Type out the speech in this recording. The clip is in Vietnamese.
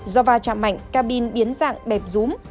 do va chạm mạnh cabin biến dạng bẹp rúm